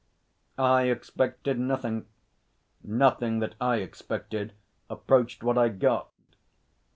I expected nothing. Nothing that I expected approached what I got.